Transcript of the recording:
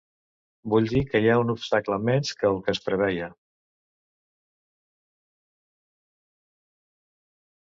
Vull dir que hi ha un obstacle menys que els que preveia.